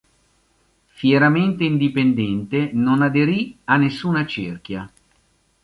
Fieramente indipendente, non aderì a nessuna cerchia.